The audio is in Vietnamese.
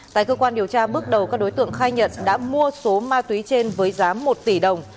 tại cơ quan điều tra bước đầu các đối tượng khai nhận đã mua số ma túy trên với giá một tỷ đồng